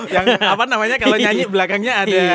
yang apa namanya kalau nyanyi belakangnya ada